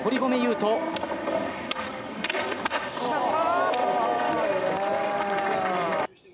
決まった！